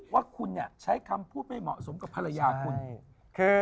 ว่าคุณเนี่ยใช้คำพูดไม่เหมาะสมกับภรรยาคุณคือ